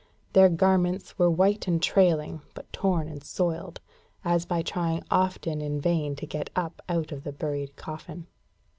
Their garments were white and trailing, but torn and soiled, as by trying often in vain to get up out of the buried coffin.